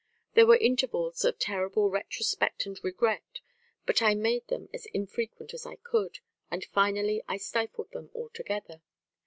There were intervals of terrible retrospect and regret; but I made them as infrequent as I could, and finally I stifled them altogether.